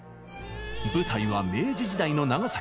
舞台は明治時代の長崎。